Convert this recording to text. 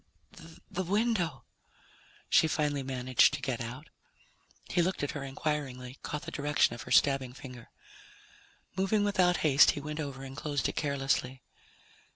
"The window," she finally managed to get out. He looked at her inquiringly, caught the direction of her stabbing finger. Moving without haste, he went over and closed it carelessly.